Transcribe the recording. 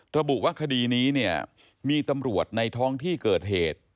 ระบุว่าคดีนี้เนี่ยมีตำรวจในท้องที่เกิดเหตุ